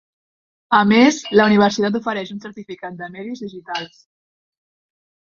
A més, la universitat ofereix un certificat de Medis digitals.